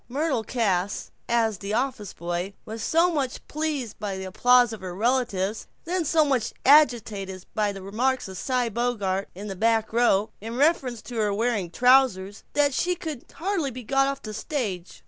Myrtle Cass, as the office boy, was so much pleased by the applause of her relatives, then so much agitated by the remarks of Cy Bogart, in the back row, in reference to her wearing trousers, that she could hardly be got off the stage.